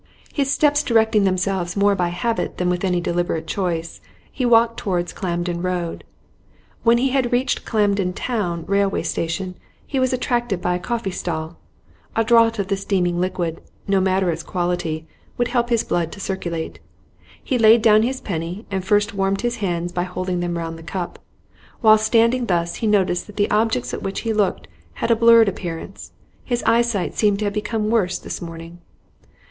His steps directing themselves more by habit than with any deliberate choice, he walked towards Camden Road. When he had reached Camden Town railway station he was attracted by a coffee stall; a draught of the steaming liquid, no matter its quality, would help his blood to circulate. He laid down his penny, and first warmed his hands by holding them round the cup. Whilst standing thus he noticed that the objects at which he looked had a blurred appearance; his eyesight seemed to have become worse this morning.